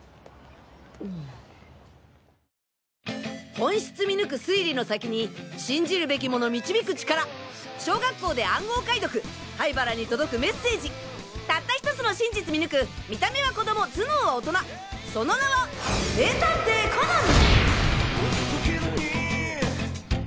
本質見抜く推理の先に信じるべきもの導く力小学校で暗号解読灰原に届くメッセージたった１つの真実見抜く見た目は子供頭脳は大人その名は名探偵コナン！